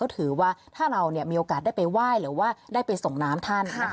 ถือว่าถ้าเรามีโอกาสได้ไปไหว้หรือว่าได้ไปส่งน้ำท่าน